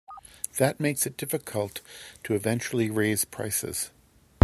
That makes it difficult to eventually raise prices.